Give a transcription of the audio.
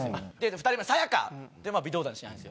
２人目さや香微動だにしないんですよ。